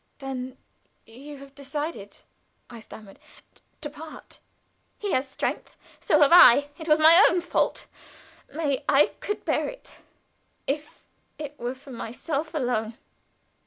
"Then you have decided?" I stammered. "To part. He has strength. So have I. It was my own fault. May I could bear it if it were for myself alone.